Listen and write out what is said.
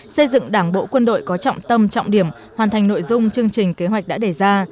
xây dựng đảng bộ quân đội có trọng tâm trọng điểm hoàn thành nội dung chương trình kế hoạch đã đề ra